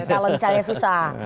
kalau misalnya susah